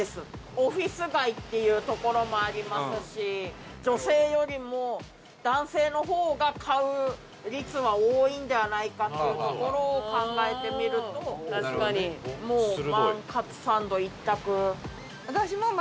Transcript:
オフィス街っていうところもありますし女性よりも男性の方が買う率は多いんではないかっていうところを考えてみるともう万かつサンド一択。